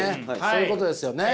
そういうことですよね。